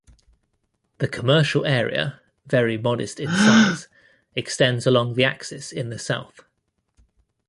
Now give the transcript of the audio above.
The commercial area (very modest in size) extends along the axis in the south.